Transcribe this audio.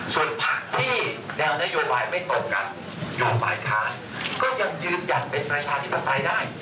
ส่วนพักที่แนวนโยบายไม่ตรงกันอยู่ฝ่ายค้านก็ยังยืนหยัดเป็นประชาธิปไตยได้